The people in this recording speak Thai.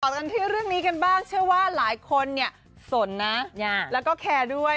กันที่เรื่องนี้กันบ้างเชื่อว่าหลายคนเนี่ยสนนะแล้วก็แคร์ด้วย